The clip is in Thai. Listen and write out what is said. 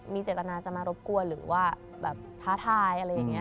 มีเจตนาจะมารบกวนหรือว่าแบบท้าทายอะไรอย่างนี้